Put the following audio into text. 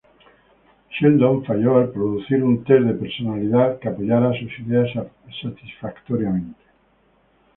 Sheldon falló al producir un test de personalidad que apoyara sus ideas satisfactoriamente.